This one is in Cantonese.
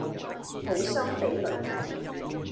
好心俾雷劈